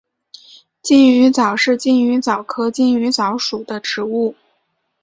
金鱼藻是金鱼藻科金鱼藻属的植物。